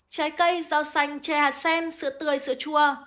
trái cây rau xanh chè hạt sen sữa tươi sữa chua